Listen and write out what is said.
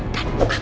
dan kalau kamu